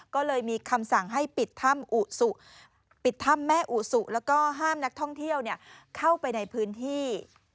ก็เลยมีคำสั่งให้ปิดถ้ำอุสุปิดถ้ำแม่อุสุแล้วก็ห้ามนักท่องเที่ยวเข้าไปในพื้นที่